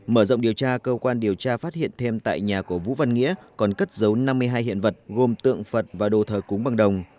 mở rộng điều tra cơ quan điều tra phát hiện thêm tại nhà của vũ văn nghĩa còn cất dấu năm mươi hai hiện vật gồm tượng phật và đồ thờ cúng bằng đồng